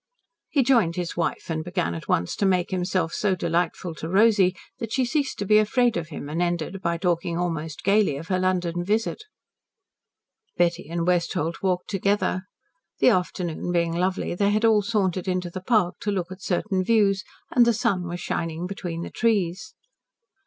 He joined his wife and began at once to make himself so delightful to Rosy that she ceased to be afraid of him, and ended by talking almost gaily of her London visit. Betty and Westholt walked together. The afternoon being lovely, they had all sauntered into the park to look at certain views, and the sun was shining between the trees.